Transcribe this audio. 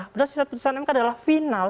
berdasarkan putusan mk adalah final